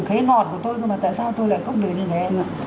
khế ngọt của tôi tại sao tôi lại không được đến đây